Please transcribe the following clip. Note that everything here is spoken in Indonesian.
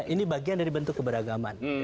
ini bagian dari bentuk keberagaman